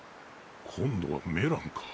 今度はメランか。